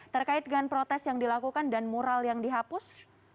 terkait dengan protes yang dilakukan dan mural yang dihapus